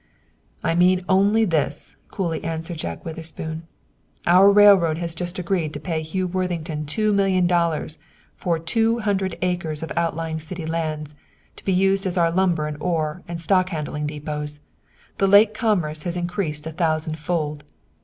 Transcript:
"I mean only this," coolly answered Jack Witherspoon, "our railroad has just agreed to pay Hugh Worthington two millions of dollars for two hundred acres of outlying city lands, to be used as our lumber and ore and stock handling depots. The lake commerce has increased a thousand fold.